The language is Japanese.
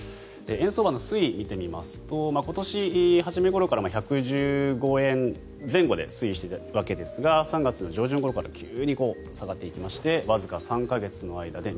円相場の推移を見てみますと今年初めごろから１１５円前後で推移していたわけですが３月上旬ごろから急に下がっていきましてわずか３か月の間で